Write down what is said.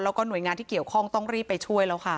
แล้วก็หน่วยงานที่เกี่ยวข้องต้องรีบไปช่วยแล้วค่ะ